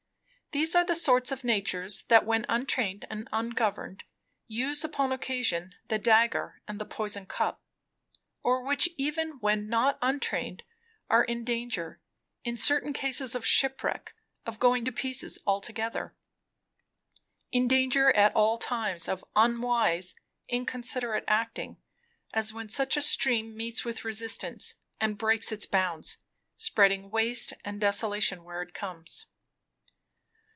These are the sort of natures that when untrained and ungoverned, use upon occasion the dagger and the poison cup; or which even when not untrained are in danger, in certain cases of shipwreck, of going to pieces altogether. In danger at all times of unwise, inconsiderate acting; as when such a stream meets with resistance and breaks its bounds, spreading waste and desolation where it comes.